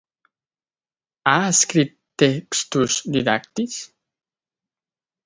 Ha escrit textos didàctics?